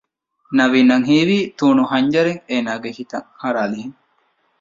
ނަވީނަށް ހީވީ ތޫނު ހަންޖަރެއް އޭނާގެ ހިތަށް ހަރާލިހެން